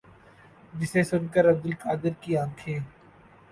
جسے سن کر عبدالقادر کی انکھیں